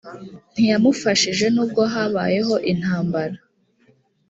ntiyamufashije nubwo habayeho intambara.